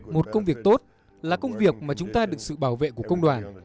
một công việc tốt là công việc mà chúng ta được sự bảo vệ của công đoàn